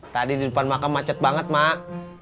tadi di depan makam macet banget mak